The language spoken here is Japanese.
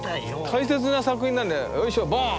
大切な作品なんでよいしょボーンッて。